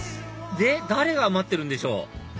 で誰が待ってるんでしょう？